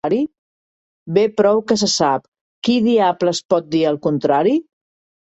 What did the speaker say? Bé prou que se sap. Qui diables pot dir el contrari?